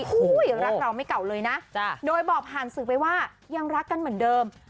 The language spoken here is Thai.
รักเราไม่เก่าเลยนะโดยบอกผ่านสื่อไปว่ายังรักกันเหมือนเดิม